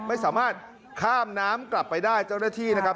ไม่สามารถข้ามน้ำกลับไปได้เจ้าหน้าที่นะครับ